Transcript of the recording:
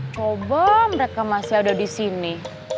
coba mereka masih ada di sini